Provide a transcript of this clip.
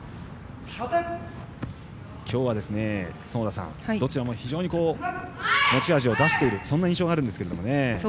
今日は、園田さんどちらも非常に持ち味を出してるそんな印象があるんですけれども。